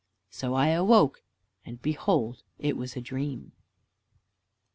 So I awoke, and behold it was a dream.